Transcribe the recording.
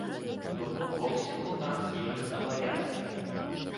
То бок, ва ўсіх у нас ёсць абавязкі.